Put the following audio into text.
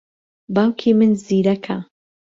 باوکی من زیرەکە.